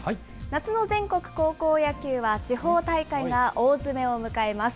夏の全国高校野球は地方大会が大詰めを迎えます。